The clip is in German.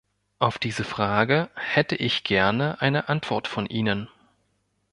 Auf diese Frage hätte ich gerne eine Antwort von Ihnen!